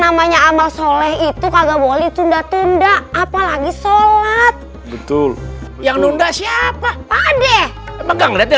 namanya amal sholat itu kagak boleh tunda tunda apalagi sholat betul yang nunda siapa pade